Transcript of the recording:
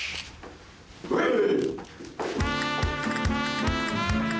はい！